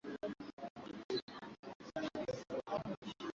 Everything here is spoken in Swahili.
idd mubarak lakini na wasikilizaji pia tungependa